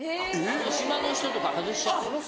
島の人とか外しちゃうよ。